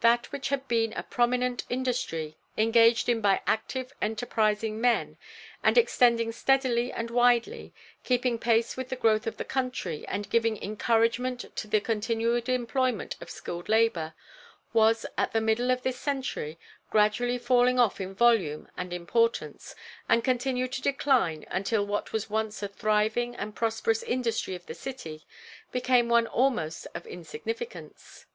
That which had been a prominent industry, engaged in by active, enterprising men, and extending steadily and widely, keeping pace with the growth of the country, and giving encouragement to the continued employment of skilled labor, was at the middle of this century gradually falling off in volume and importance, and continued to decline until what was once a thriving and prosperous industry of the city, became one almost of insignificance.